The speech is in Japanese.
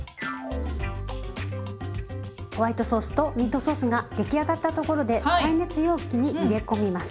ホワイトソースとミートソースが出来上がったところで耐熱容器に入れ込みます。